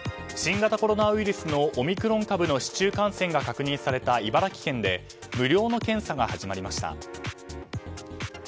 新型コロナウイルスのオミクロン株の市中感染が確認された茨城県で無料の検査が始まりました。